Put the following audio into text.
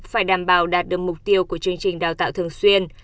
phải đảm bảo đạt được mục tiêu của chương trình đào tạo thường xuyên